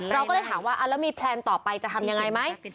เราก็เลยถามว่าแล้วมีแพลนต่อไปจะทำยังไงไหม